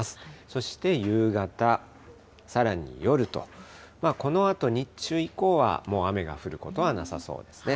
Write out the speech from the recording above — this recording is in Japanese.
そして夕方、さらに夜と、このあと日中以降はもう雨が降ることはなさそうですね。